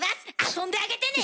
遊んであげてね！